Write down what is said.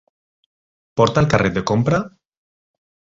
Porta el carret de compra?